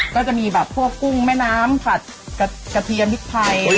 ก็จะมีแบบพวกกุ้งแม่น้ำผัดกระเทียมพริกไทย